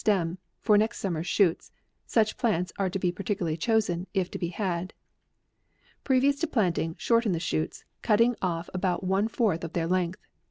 stem, for next summer's shoots, such plants are to be particularly chosen, if to be had," " Previous to planting, shorten the shoots, cutting offabout one fourth of their length.